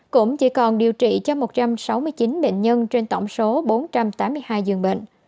cũng chỉ còn điều trị cho một trăm sáu mươi chín bệnh nhân trên tổng số bốn trăm tám mươi hai dường bệnh